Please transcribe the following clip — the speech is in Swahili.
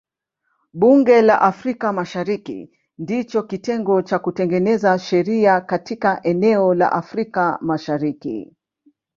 Bunge la Afrika Mashariki ndicho kitengo cha kutengeneza sheria katika eneo la Afrika Mashariki.